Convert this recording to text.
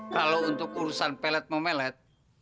kalau untuk urusan pelet memelet